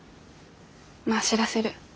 まあ知らせる。